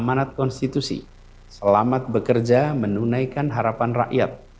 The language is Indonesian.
amanat konstitusi selamat bekerja menunaikan harapan rakyat